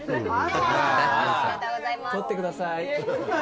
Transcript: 「取ってください」。